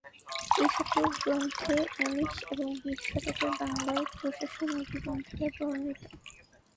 এ সকল গ্রন্থে উনিশ এবং বিশ শতকের বাংলার প্রশাসন ও জীবনধারা বর্ণিত।